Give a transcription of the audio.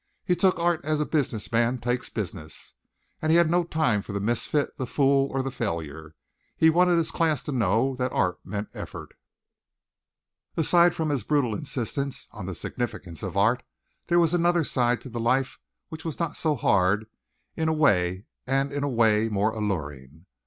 He took art as a business man takes business, and he had no time for the misfit, the fool, or the failure. He wanted his class to know that art meant effort. Aside from this brutal insistence on the significance of art, there was another side to the life which was not so hard and in a way more alluring.